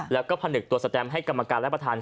แล้วก็ผนึกตัวสแตมให้กรรมการและประธาน